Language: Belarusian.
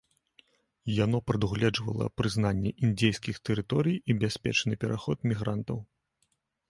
Яно прадугледжвала прызнанне індзейскіх тэрыторый і бяспечны пераход мігрантаў.